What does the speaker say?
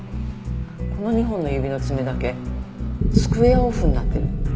この２本の指の爪だけスクエアオフになってる。